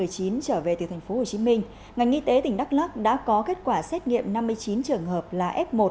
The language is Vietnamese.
trở về từ tp hcm ngành y tế tỉnh đắk lắc đã có kết quả xét nghiệm năm mươi chín trường hợp là f một